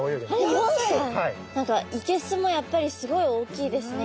何かいけすもやっぱりすごい大きいですね。